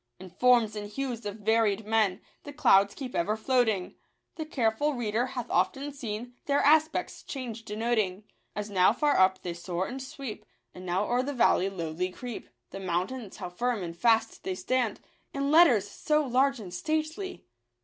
In forms and hues of varied mien The clouds keep ever floating ; The careful reader hath often seen Their aspects, change denoting, As now far up they soar and sweep, And now o'er the valley lowly creep. The mountains — how Ann and fast they stand, In letters so large and stately